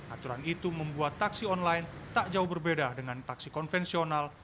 aturan itu membuat taksi online tak jauh berbeda dengan taksi konvensional